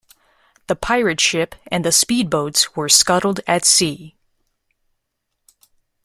The pirate ship and the speedboats were scuttled at sea.